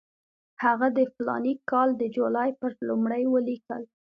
هغه د فلاني کال د جولای پر لومړۍ ولیکل.